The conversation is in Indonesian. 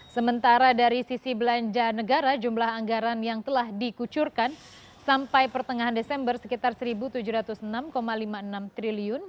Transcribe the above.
sementara dari sisi belanja negara jumlah anggaran yang telah dikucurkan sampai pertengahan desember sekitar rp satu tujuh ratus enam lima puluh enam triliun